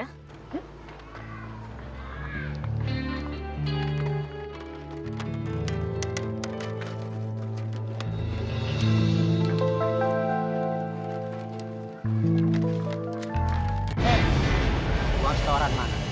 hei buang setoran mana